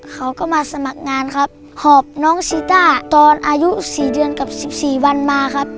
เขาก็มาสมัครงานครับหอบน้องซีต้าตอนอายุ๔เดือนกับ๑๔วันมาครับ